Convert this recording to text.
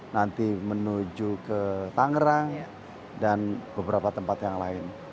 nanti menuju ke tangerang dan beberapa tempat yang lain